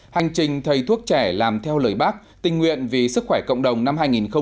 hành trình thầy thuốc trẻ làm theo lời bác tình nguyện vì sức khỏe cộng đồng năm hai nghìn hai mươi